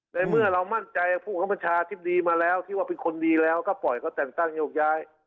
ในเมื่อเรามั่นใจผู้คำประชาธิบดีมาแล้วที่ว่าเป็นคนดีแล้วก็ปล่อยเขาแต่งตั้งโยกย้าย